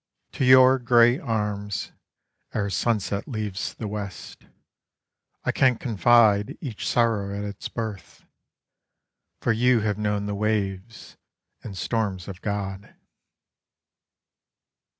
To your grey arms, ere sunset leaves the West, I can confide each sorrow at its birth, For you have known the waves and storms of God.